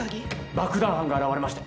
爆弾犯が現れまして。